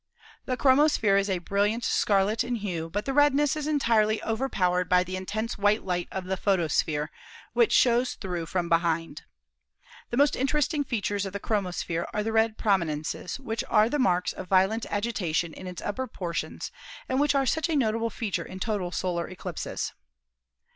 The chromosphere is a brilliant scarlet in hue, but the redness is entirely overpowered by the intense white light of the photosphere, which shows through from behind. The most interesting features of the chromosphere are the red prominences, which are the marks of violent agitation in its upper portions and which Photosphere Fig. 17 — The Solar Structure. are such a notable feature in total solar eclipses.